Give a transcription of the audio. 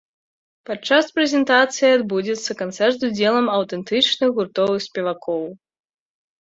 Падчас прэзентацыі адбудзецца канцэрт з удзелам аўтэнтычных гуртоў і спевакоў.